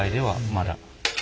まだ。